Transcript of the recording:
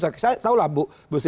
saya tahulah bu